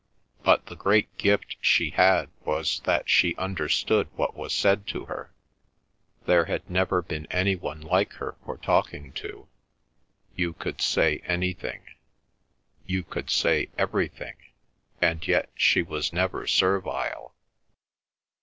But the great gift she had was that she understood what was said to her; there had never been any one like her for talking to. You could say anything—you could say everything, and yet she was never servile.